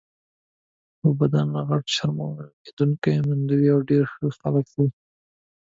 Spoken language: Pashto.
په بدنه غټ، شرمېدونکي، منندوی او ډېر ښه خلک وو.